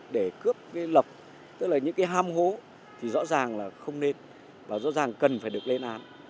để cướp lọc ở một vị trí một địa điểm được coi là rất là tôn nghiêm thánh thiện